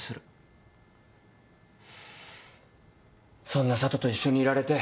そんな佐都と一緒にいられて。